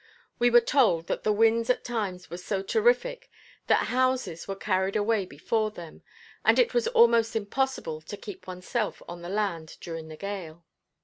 We were told that the winds at times were so terrific that houses were carried away before them, and it was almost impossible to keep oneself on the land during the gale.